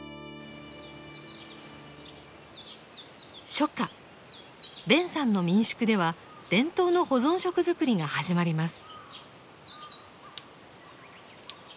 初夏ベンさんの民宿では伝統の保存食作りが始まります。